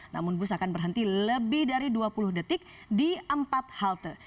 namun bus akan berhenti lebih dari dua puluh detik di empat halte